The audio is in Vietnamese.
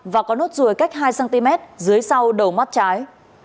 và có nốt ruồi cách hai cm dưới sau đầu mắt trái